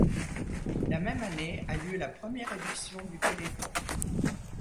La même année a lieu la première édition du Téléthon.